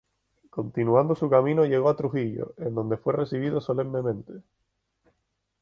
Continuando su camino llegó a Trujillo, en donde fue recibido solemnemente.